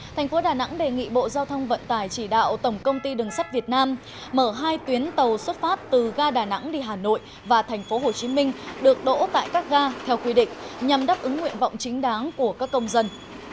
thành phố đà nẵng đề nghị bộ giao thông vận tải chỉ đạo tổng công ty đường sắt việt nam mở hai tuyến tàu xuất phát từ ga đà nẵng đi hà nội và tp hcm được đỗ tại các ga theo quy định nhằm đáp ứng nguyện vọng chính đáng của các công dân